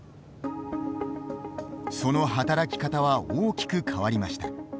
その働き方は大きく変わりました。